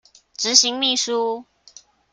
執行秘書